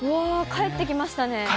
帰ってきました。